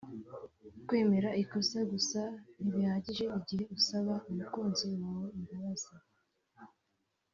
Kwemera ikosa gusa ntibihagije igihe usaba umukunzi wawe imbabazi